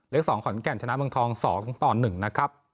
เลขสองขอนแก่นชนะเมืองทองสองตอนหนึ่งนะครับ